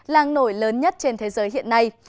làng nổi lớn nhất trên thế giới hiện nay